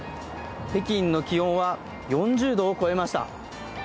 北京の気温は４０度を超えました。